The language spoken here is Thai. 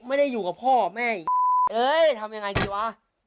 ไม่ได้อยู่กับพ่อแม่เอ้ยทำยังไงดีวะ